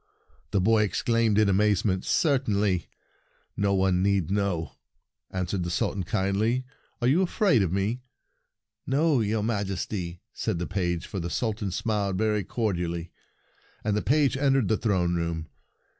the boy exclaimed in amazement. "Certainly. No one need know," answered the Sultan kindly. "Are you afraid of me?" " No, your Majesty," said the page, for the Sultan smiled very cordially ; and the page entered the throne room.